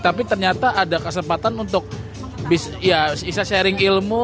tapi ternyata ada kesempatan untuk bisa sharing ilmu